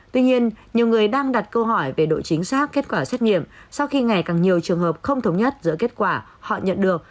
tuy nhiên nhiều người đang đặt câu hỏi về độ chính xác kết quả xét nghiệm sau khi ngày càng nhiều trường hợp không thống nhất giữa kết quả họ nhận được